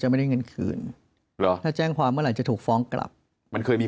จะไม่เดี๋ยวคืนแล้วแจ้งความก็ไหลถูกฟ้องกกลับมันเคยมี